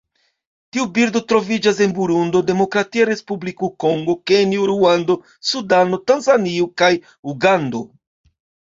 Tiu birdo troviĝas en Burundo, Demokratia Respubliko Kongo, Kenjo, Ruando, Sudano, Tanzanio kaj Ugando.